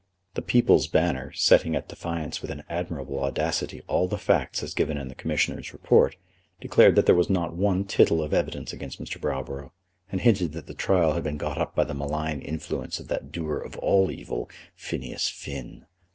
The People's Banner, setting at defiance with an admirable audacity all the facts as given in the Commissioners' report, declared that there was not one tittle of evidence against Mr. Browborough, and hinted that the trial had been got up by the malign influence of that doer of all evil, Phineas Finn.